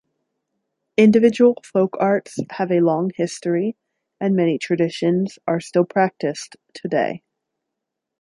Individual folk arts have a long history, and many traditions are still practiced today.